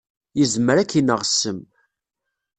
Yezmer ad k-ineɣ ssem.